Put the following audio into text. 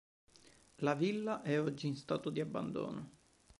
La villa è oggi in stato di abbandono.